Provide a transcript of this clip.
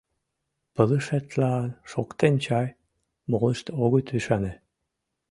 — Пылышетлан шоктен чай? — молышт огыт ӱшане.